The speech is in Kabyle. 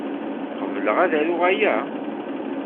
Qebleɣ ad aruɣ aya?